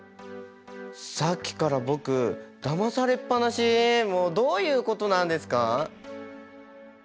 さっきから僕だまされっ放しもうどういうことなんですか？